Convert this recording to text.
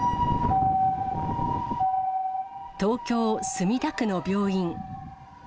東京・墨田区の病院。